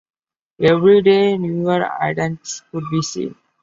Every day, newer idents could be seen.